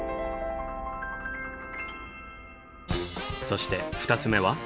そして２つ目は。